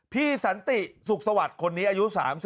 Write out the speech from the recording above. สันติสุขสวัสดิ์คนนี้อายุ๓๒